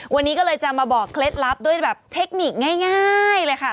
วันนี้ก็เลยจะมาบอกเคล็ดลับด้วยแบบเทคนิคง่ายเลยค่ะ